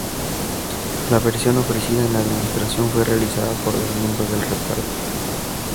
La versión ofrecida en la demostración fue realizada por los miembros del reparto.